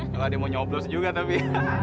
kalau dia mau nyoblos juga tapi